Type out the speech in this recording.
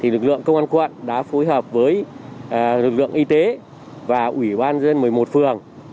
lực lượng công an quận đã phối hợp với lực lượng y tế và ủy ban dân một mươi một phường